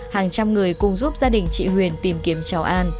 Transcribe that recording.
hàng trăm người cùng giúp gia đình chị huyền tìm kiếm cháu an